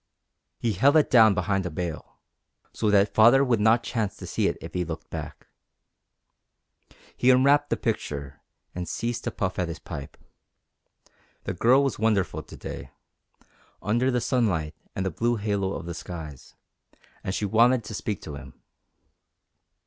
He held it down behind a bale, so that Father Roland would not chance to see it if he looked back. He unwrapped the picture, and ceased to puff at his pipe. The Girl was wonderful to day, under the sunlight and the blue halo of the skies, and she wanted to speak to him.